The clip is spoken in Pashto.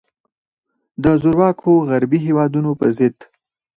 د زورواکو غربي هیوادونو پر ضد.